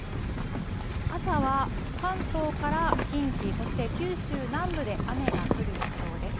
朝は関東から近畿、そして九州南部で、雨が降る予想です。